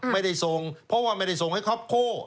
ไม่ได้ส่งเพราะว่าไม่ได้ส่งให้คอปโค